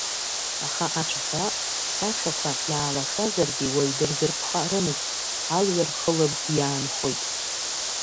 Аха ацәаҳәа хьшәашәақәа иаалашазаргьы уаҩ дырзырԥхарымызт, алҩа рхылыбб иаанхоит.